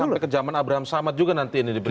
sampai ke zaman abraham samad juga nanti ini diberikan